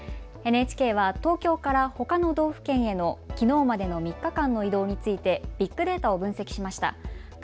ＮＨＫは東京からほかの道府県へのきのうまでの３日間の移動についてビッグデータを分析しました。